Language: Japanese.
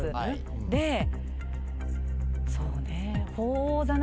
そうね。